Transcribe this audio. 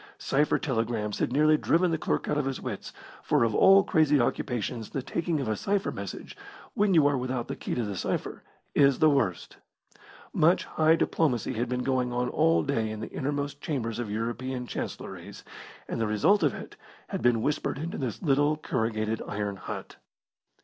Cipher telegrams had nearly driven the clerk out of his wits, for of all crazy occupations the taking of a cipher message, when you are without the key to the cipher, is the worst. Much high diplomacy had been going on all day in the innermost chambers of European chancellories, and the results of it had been whispered into this little corrugated iron hut.